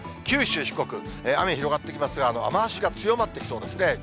九州、四国、雨広がってきますが、雨足が強まってきそうですね。